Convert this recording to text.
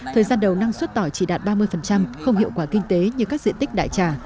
thời gian đầu năng suất tỏi chỉ đạt ba mươi không hiệu quả kinh tế như các diện tích đại trà